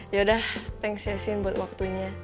ya udah thanks ya sin buat waktunya